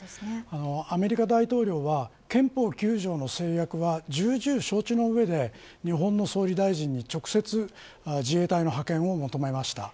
アメリカ大統領は憲法９条の制約は重々承知の上で日本の総理大臣に直接自衛隊の派遣を求めました。